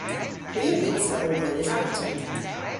Hwi a vynnsa ow gweles arta.